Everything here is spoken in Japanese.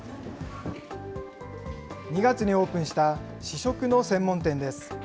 ２月にオープンした試食の専門店です。